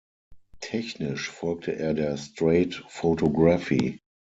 Technisch folgte er der straight photography.